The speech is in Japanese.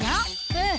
うん！